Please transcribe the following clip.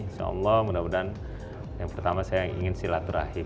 insya allah mudah mudahan yang pertama saya ingin silaturahim